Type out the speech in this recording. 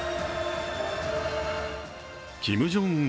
キム・ジョンウン